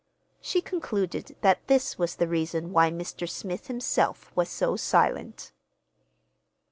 She concluded that this was the reason why Mr. Smith himself was so silent.